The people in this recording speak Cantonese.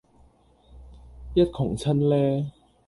一窮親呢